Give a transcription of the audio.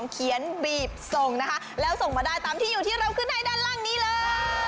เขียนบีบส่งนะคะแล้วส่งมาได้ตามที่อยู่ที่เราขึ้นให้ด้านล่างนี้เลย